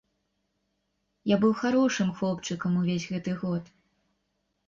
Я быў харошым хлопчыкам увесь гэты год!